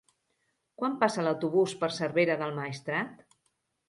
Quan passa l'autobús per Cervera del Maestrat?